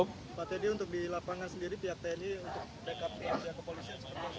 pak teddy untuk di lapangan sendiri pihak tni untuk backup pihak kepolisian